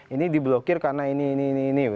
ini di blokir karena ini ini ini